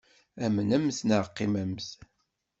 Amnemt neɣ qimemt.